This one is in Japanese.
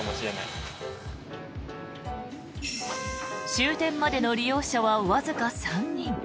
終点までの利用者はわずか３人。